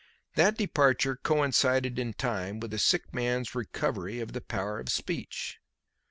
That departure coincided in time with the sick man's recovery of the power of speech.